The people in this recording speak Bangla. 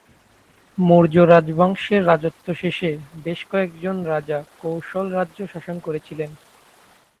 মৌর্য্য রাজবংশের রাজত্ব শেষে বেশ কয়েকজন রাজা কোশল রাজ্য শাসন করেছিলেন।